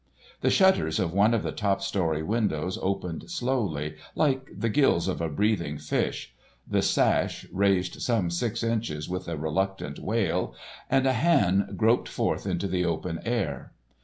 The shutters of one of the top story windows opened slowly, like the gills of a breathing fish, the sash raised some six inches with a reluctant wail, and a hand groped forth into the open air.